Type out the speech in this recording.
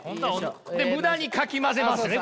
で無駄にかき混ぜますね